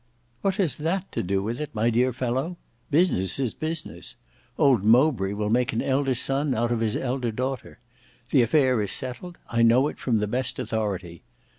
"What has that to do with it my dear fellow? Business is business. Old Mowbray will make an elder son out of his elder daughter. The affair is settled; I know it from the best authority.